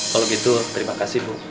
kalau gitu terima kasih bu